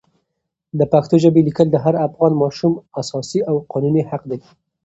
د پښتو ژبې لیکل د هر افغان ماشوم اساسي او قانوني حق دی.